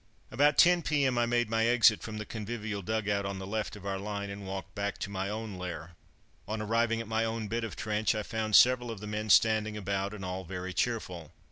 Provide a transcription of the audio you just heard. About 10 p.m. I made my exit from the convivial dug out on the left of our line and walked back to my own lair. On arriving at my own bit of trench I found several of the men standing about, and all very cheerful.